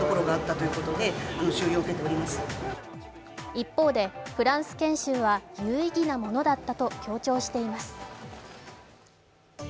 一方でフランス研修は有意義なものだったと強調しています。